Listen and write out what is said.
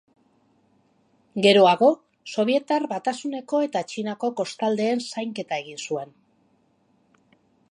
Geroago, Sobietar Batasuneko eta Txinako kostaldeen zainketa egin zuen.